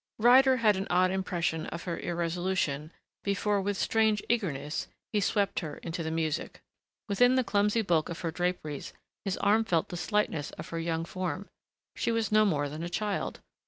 Ryder had an odd impression of her irresolution before, with strange eagerness, he swept her into the music. Within the clumsy bulk of her draperies his arm felt the slightness of her young form. She was no more than a child....